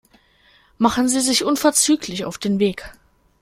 Machen Sie sich unverzüglich auf den Weg.